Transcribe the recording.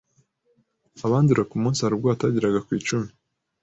abandura ku munsi hari ubwo batageraga ku icumi.